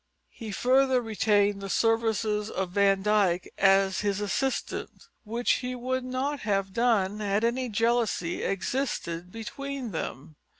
He further retained the services of Van Dyck as his assistant, which he would not have done had any jealousy existed between them.